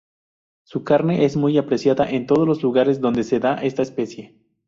Su carne es muy apreciada en todos los lugares donde se da esta especie.